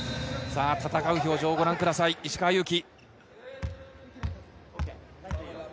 戦う表情をご覧ください、石川祐希。